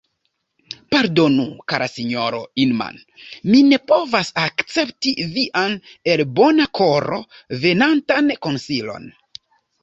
Pardonu, kara sinjoro Inman; mi ne povas akcepti vian, el bona koro venantan konsilon.